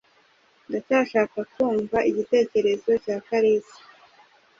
Ndacyashaka kumva igitekerezo cya Kalisa.